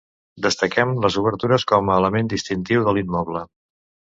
Destaquem les obertures com a element distintiu de l'immoble.